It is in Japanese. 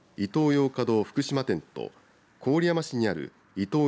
ヨーカドー福島店と郡山市にあるイトー